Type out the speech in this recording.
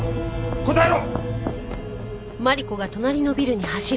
答えろ！